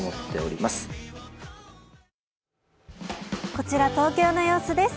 こちら東京の様子です。